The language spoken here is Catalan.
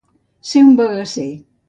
Ser un bagasser.